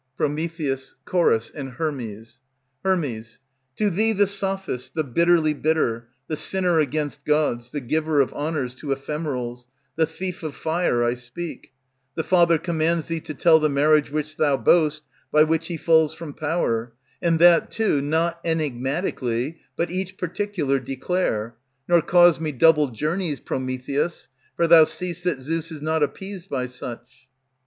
PROMETHEUS, CHORUS, and HERMES. Her. To thee, the sophist, the bitterly bitter, The sinner against gods, the giver of honors To ephemerals, the thief of fire, I speak; The Father commands thee to tell the marriage Which you boast, by which he falls from power; And that, too, not enigmatically, But each particular declare; nor cause me Double journeys, Prometheus; for thou see'st that Zeus is not appeased by such.